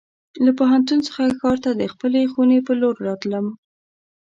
له پوهنتون څخه ښار ته د خپلې خونې په لور راتلم.